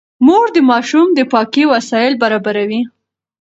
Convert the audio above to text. مور د ماشوم د پاکۍ وسايل برابروي.